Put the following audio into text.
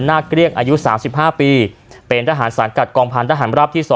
เกลี้ยงอายุ๓๕ปีเป็นทหารสังกัดกองพันธหารราบที่๒